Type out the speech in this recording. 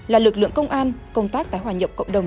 là lực lượng công an công tác tái hòa nhập cộng đồng